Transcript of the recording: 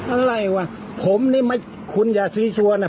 อะไรวะผมนี่คุณอย่าซีชัวร์นะ